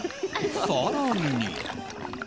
更に。